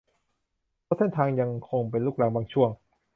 เพราะเส้นทางยังคงเป็นลูกรังบางช่วง